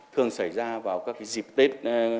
thường xảy ra vào các dịp tết